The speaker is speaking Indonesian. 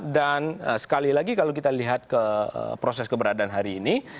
dan sekali lagi kalau kita lihat ke proses keberadaan hari ini